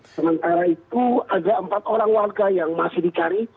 sementara itu ada empat orang warga yang masih dicari